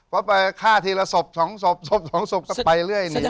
ไปฆ่าทีละศพสองศพกับไปเรื่อยนี้